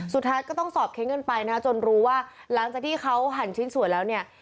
สุดท้ายก็ต้องสอบเค้นกันไปนะจนรู้ว่าหลังจากที่เขาหั่นชิ้นส่วนแล้วเนี่ย